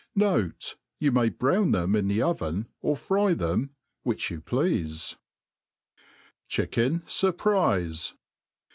Note^ You may brown them in the oven, or fry theip, which you pleafe. Chicken Surprize.